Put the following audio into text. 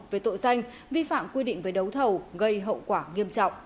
về tội danh vi phạm quy định về đấu thầu gây hậu quả nghiêm trọng